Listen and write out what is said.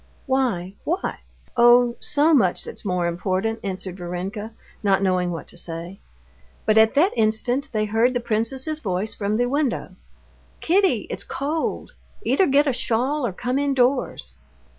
"Why, what?" "Oh, so much that's more important," answered Varenka, not knowing what to say. But at that instant they heard the princess's voice from the window. "Kitty, it's cold! Either get a shawl, or come indoors."